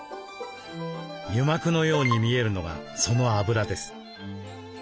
油膜のように見えるのがその脂です。